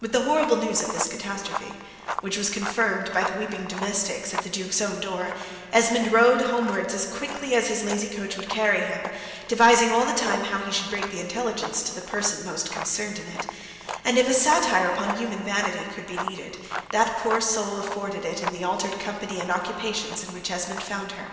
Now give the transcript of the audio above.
With the horrible news of this catsstrophe, which was confirmed by the weeping domestics at the Duke's own door, Esmond rode homewards as quick as his lazy coach would carry him, devising all the time how he should break the intelligence to the person most concerned in it; and if a satire upon human vanity could be needed, that poor soul afforded it in the altered company and occupations in which Esmond found her.